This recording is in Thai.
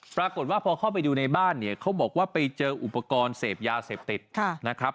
ปรากฏว่าพอเข้าไปดูในบ้านเนี่ยเขาบอกว่าไปเจออุปกรณ์เสพยาเสพติดนะครับ